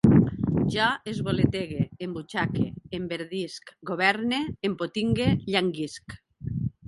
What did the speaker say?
Jo esvoletegue, embutxaque, enverdisc, governe, empotingue, llanguisc